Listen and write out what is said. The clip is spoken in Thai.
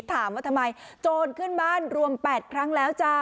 ถามว่าทำไมโจรขึ้นบ้านรวม๘ครั้งแล้วจ้า